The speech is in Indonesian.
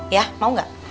ya mau gak